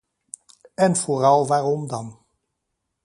En vooral waarom dan.